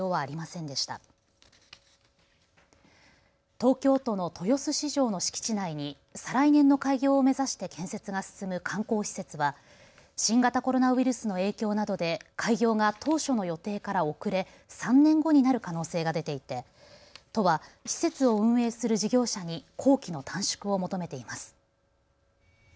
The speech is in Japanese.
東京都の豊洲市場の敷地内に再来年の開業を目指して建設が進む観光施設は新型コロナウイルスの影響などで開業が当初の予定から遅れ３年後になる可能性が出ていて都は施設を運営する事業者に工期の短縮を求めています。